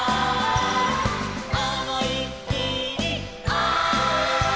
「思いっきりおい！」